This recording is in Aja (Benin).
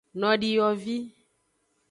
Nodiyovi.